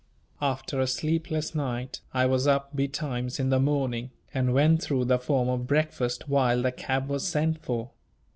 After a sleepless night, I was up betimes in the morning, and went through the form of breakfast while the cab was sent for.